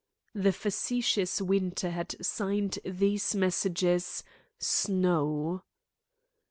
The facetious Winter had signed these messages "Snow."